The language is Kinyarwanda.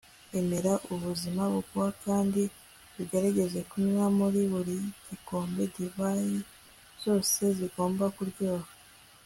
emera ubuzima buguha kandi ugerageze kunywa muri buri gikombe divayi zose zigomba kuryoha